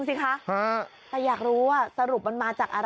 ตกใจมันก็เลยจอด